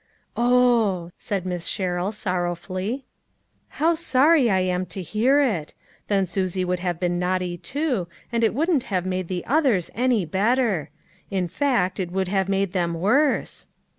" Oh," said Miss Sherrill sorrowfully. " How sorry I am to hear it ; then Susie would have been naughty too, and it wouldn't have made the others any better ; in fact, it would have made them worse."